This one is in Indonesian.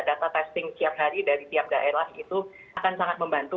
data testing tiap hari dari tiap daerah itu akan sangat membantu